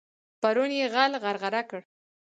پرون يې غل غرغړه کړ.